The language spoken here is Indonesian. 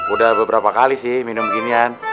udah beberapa kali sih minum ginian